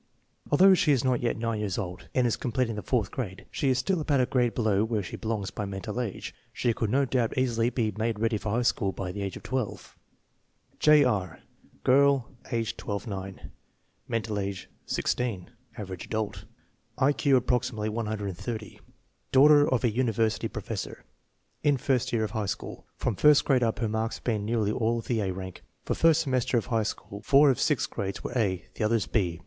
Although she is not yet 9 years old and is completing the fourth grade, she is still about a grade below where she belongs by mental age. She could no doubt easily be made ready for higli school by the age of 12. J. R. Girl, age 18 9; mental age 16 (average adutt); I Q approxi mately 130. Daughter of a university professor. In first year of high school. From first grade up her marks have been nearly all of the A rank. For first semester of high school four of six grades were A, the others B.